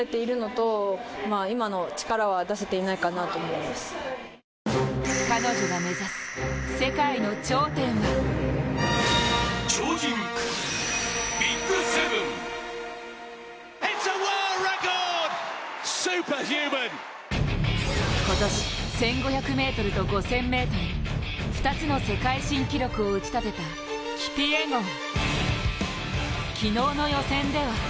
しかし、本人は彼女が目指す世界の頂点は今年１５００ｍと５０００ｍ２つの新記録を打ちたてたキピエゴン。